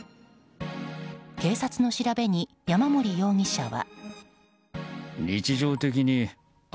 警察の調べに、山森容疑者は。